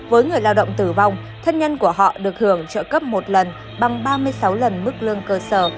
với người lao động tử vong thân nhân của họ được hưởng trợ cấp một lần bằng ba mươi sáu lần mức lương cơ sở